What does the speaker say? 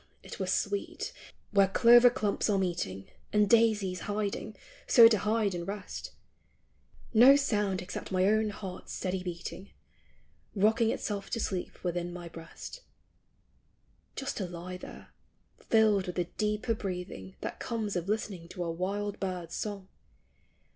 it were sweet, where clover clumps are meeting And daisies hiding, so to hide and rest; No sound except my own heart's steady heating, Rocking itself to sleep within my breast ;— Just, to lie there, filled with the deeper breathing That comes of listening to a wild bird's song